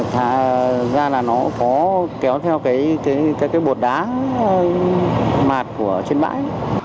kéo theo cái bột đá mạt của trên bãi